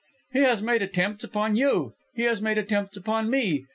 "He has made attempts upon you; he has made attempts upon me.